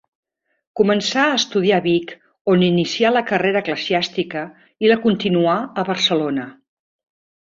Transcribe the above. Començà a estudiar a Vic, on inicià la carrera eclesiàstica i la continuà a Barcelona.